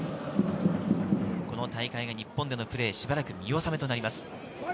この大会が日本でのプレー、しばらく見納めとなります。